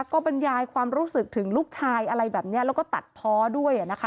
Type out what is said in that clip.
ก็บรรยายความรู้สึกถึงลูกชายอะไรแบบนี้แล้วก็ตัดเพาะด้วยนะคะ